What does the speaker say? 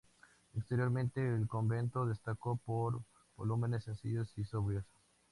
Exteriormente el convento destaca por volúmenes sencillos y sobrios.